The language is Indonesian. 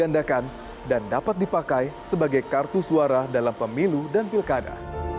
dalam pemilu dan pilkada